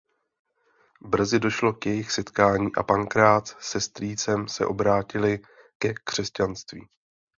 Brzy došlo k jejich setkání a Pankrác se strýcem se obrátili ke křesťanství.